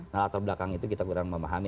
nah latar belakang itu kita kurang memahami